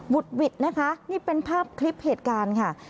ดหวิดนะคะนี่เป็นภาพคลิปเหตุการณ์ค่ะ